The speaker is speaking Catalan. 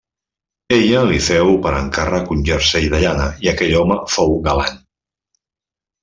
Ella li féu per encàrrec un jersei de llana i aquell home fou galant.